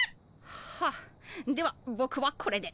はあではぼくはこれで。